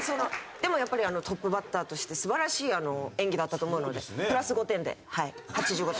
でもやっぱりトップバッターとして素晴らしい演技だったと思うのでプラス５点ではい８５点。